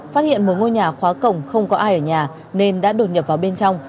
phát hiện một ngôi nhà khóa cổng không có ai ở nhà nên đã đột nhập vào bên trong